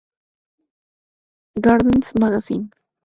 Gardeners' magazine.